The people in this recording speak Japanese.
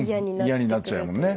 嫌になっちゃうもんね。